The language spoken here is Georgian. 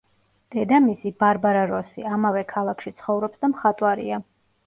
დედამისი, ბარბარა როსი, ამავე ქალაქში ცხოვრობს და მხატვარია.